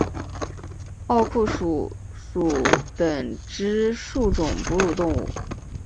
奥库鼠属等之数种哺乳动物。